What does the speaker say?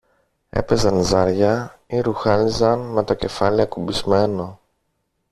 έπαιζαν ζάρια ή ρουχάλιζαν με το κεφάλι ακουμπισμένο